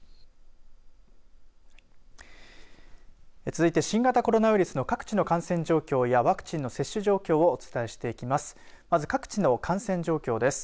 続いて新型コロナウイルスの各地の感染状況やワクチンの接種状況をお伝えしていきます。